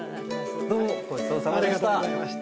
どうもごちそうさまでした。